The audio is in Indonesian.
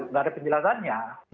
nggak ada penjelasannya